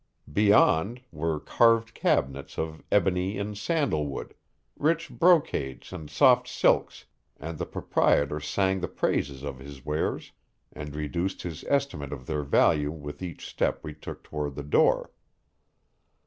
Beyond, were carved cabinets of ebony and sandal wood, rich brocades and soft silks and the proprietor sang the praises of his wares and reduced his estimate of their value with each step we took toward the door.